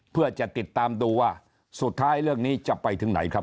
เพื่อจะติดตามดูว่าสุดท้ายเรื่องนี้จะไปถึงไหนครับ